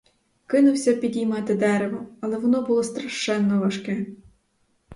Кинувся підіймати дерево, але воно було страшенно важке.